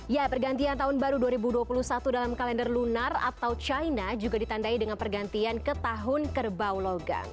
ya pergantian tahun baru dua ribu dua puluh satu dalam kalender lunar atau china juga ditandai dengan pergantian ke tahun kerbau logam